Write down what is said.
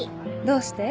どうして？